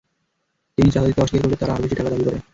তিনি চাঁদা দিতে অস্বীকার করলে তারা আরও বেশি টাকা দাবি করে।